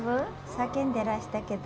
叫んでらしたけど。